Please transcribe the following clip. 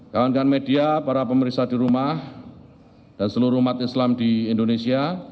kawan kawan media para pemeriksa di rumah dan seluruh umat islam di indonesia